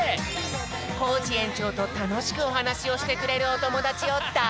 コージえんちょうとたのしくおはなしをしてくれるおともだちをだ